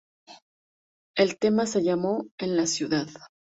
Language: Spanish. El tema se llamó "En la Ciudad".